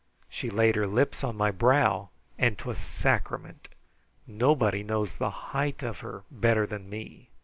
She laid her lips on my brow, and 'twas sacrament. Nobody knows the height of her better than me.